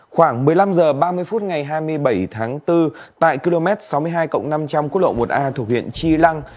khoảng một mươi năm h ba mươi phút ngày hai mươi bảy tháng bốn tại km sáu mươi hai năm trăm linh quốc lộ một a thuộc huyện chi lăng